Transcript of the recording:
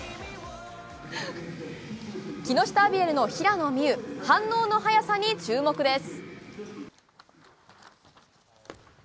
木下アビエルの平野美宇、反応の速さに注目です。